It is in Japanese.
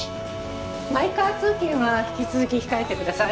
マイカー通勤は引き続き控えてください。